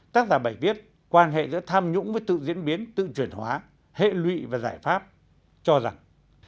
tác giả bày viết quan hệ giữa tham nhũng với tự diễn biến tự chuyển hóa hệ lụy và giải pháp cho rằng